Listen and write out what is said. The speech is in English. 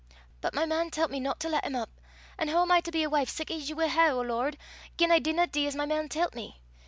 But my man tellt me no to lat him up, an' hoo am I to be a wife sic as ye wad hae, O Lord, gien I dinna dee as my man tellt me!